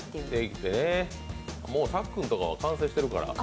もうさっくんとかは完成してるから。